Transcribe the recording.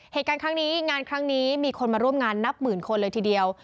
เหตุการณ์ครั้งนี้งานครั้งนี้มีคนมาร่วมงานนับหมื่นคนเลยทีเดียว